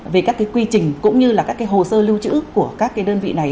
về các cái quy trình cũng như là các cái hồ sơ lưu trữ của các cái đơn vị này